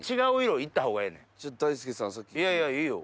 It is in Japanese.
いやいやいいよ。